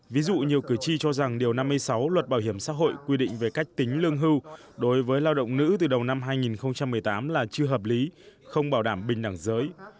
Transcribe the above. ví dụ nhiều cử tri cho rằng điều năm mươi sáu luật bảo hiểm xã hội quy định về cách tính lương hưu đối với lao động nữ từ đầu năm hai nghìn một mươi tám là chưa hợp lý không bảo đảm bình đẳng giới